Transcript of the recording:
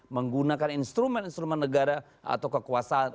menggunakan instrumen instrumen negara atau kekuasaan